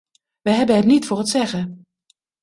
We hebben het niet voor het zeggen.